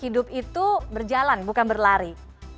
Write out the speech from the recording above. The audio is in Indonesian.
hidup itu berjalan bukan berlari